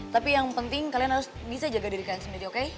tapi yang penting kalian harus bisa jaga diri kalian sendiri oke